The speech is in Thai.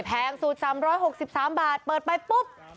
แผงศูนย์๓๖๓บาทเปิดไปปุ๊บ